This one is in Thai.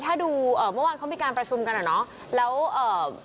ถ้าดูเมื่อวานเขามีการประชุมกันอะเนาะ